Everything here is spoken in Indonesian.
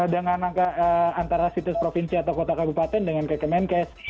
dengan antara situs provinsi atau kota kabupaten dengan kekemenkes